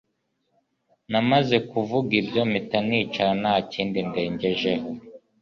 Namaze kuvuga Ibyo mpita nicara nta kindi ndengejeho